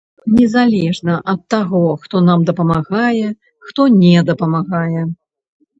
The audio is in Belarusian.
Незалежна ад таго, хто нам дапамагае, хто не дапамагае.